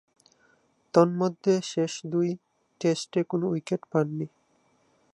তন্মধ্যে শেষ দুই টেস্টে কোন উইকেট পাননি।